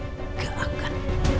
hah gak akan